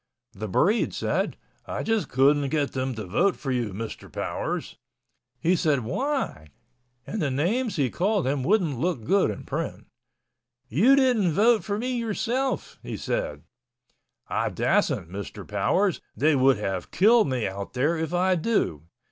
The breed said, "I just couldn't get them to vote for you, Mr. Powers." He said, "Why?" and the names he called him wouldn't look good in print, "You didn't vote for me yourself!" He said, "I dassent, Mr. Powers, they would have kill me out there if I do."